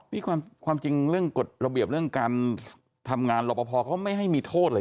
นี่ความจริงเรื่องกฎระเบียบเรื่องการทำงานรอปภเขาไม่ให้มีโทษเลย